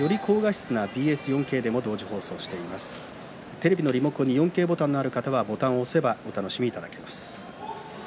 テレビのリモコンに４Ｋボタンがある方は、ボタンを押せば４Ｋ放送がお楽しみいただけます。